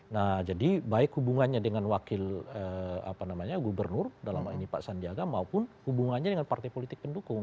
nah jadi baik hubungannya dengan wakil gubernur dalam hal ini pak sandiaga maupun hubungannya dengan partai politik pendukung